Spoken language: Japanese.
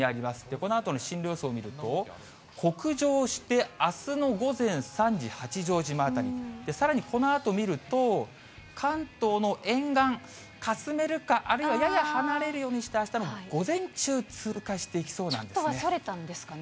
このあとの進路予想を見ると、北上して、あすの午前３時、八丈島辺り、さらにこのあと見ると、関東の沿岸、かすめるか、あるいはやや離れるようにして、あしたの午前中、通過していきそちょっとはそれたんですかね。